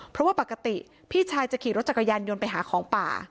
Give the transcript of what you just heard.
เพราะว่าปกติพี่ชายจะขี่รถจักรยานยนต์ไปหาของป่า